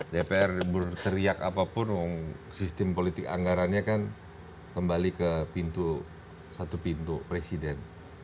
dpr berteriak apapun sistem politik anggarannya kan kembali ke satu pintu presiden